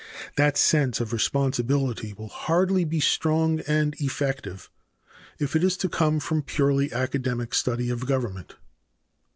That sense of responsibility will hardly be strong and effective if it is to come from purely academic study of government.